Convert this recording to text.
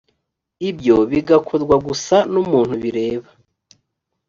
ibyo bigakorwa gusa n’umuntu bireba